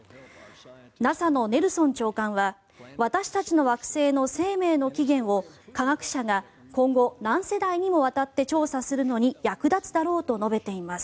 ＮＡＳＡのネルソン長官は私たちの惑星の生命の起源を科学者が今後何世代にもわたって調査するのに役立つだろうと述べています。